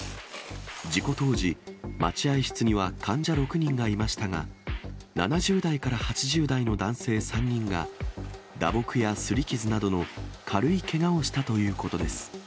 事故当時、待合室には患者６人がいましたが、７０代から８０代の男性３人が、打撲やすり傷などの軽いけがをしたということです。